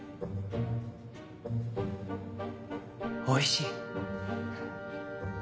おいしい。